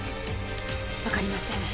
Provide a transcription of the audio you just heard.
わかりません。